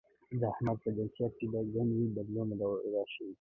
د احمد په جنسيت کې به ګنې بدلون راشي؟